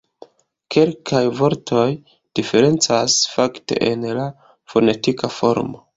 Kelkaj vortoj diferencas fakte en la fonetika formo.